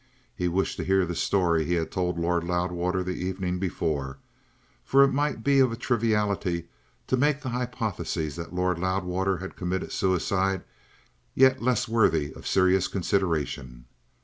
He wished to hear the story he had told Lord Loudwater the evening before, for it might be of a triviality to make the hypothesis that Lord Loudwater had committed suicide yet less worthy of serious consideration.